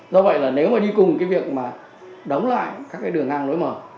do vậy nếu mà đi cùng việc đóng lại các đường ngang đối mở